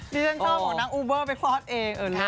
ดีจังชอบผมนั่งอูเบอร์ไปคลอดเองเอิ่น